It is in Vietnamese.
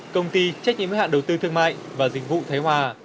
công ty trách nhiệm hạn đầu tư thương mại và dịch vụ thái hòa